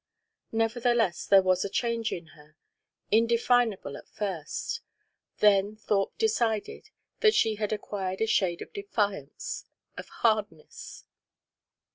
Nevertheless, there was a change in her, indefinable at first; then Thorpe decided that she had acquired a shade of defiance, of hardness.